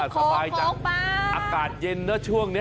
ข้อมายอากาศเย็นเถอะช่วงนี้